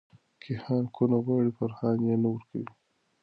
کیهان کونه غواړې.فرحان یی نه ورکوې